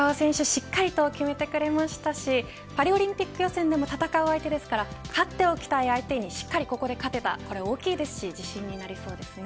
しっかりと決めてくれましたしパリオリンピック予選でも戦う相手ですから勝っておきたい相手にしっかりここで勝っておけばこれ大きいですし自信になりそうですね。